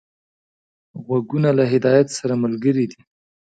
غوږونه له هدایت سره ملګري دي